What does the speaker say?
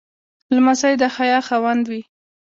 لمسی د حیا خاوند وي.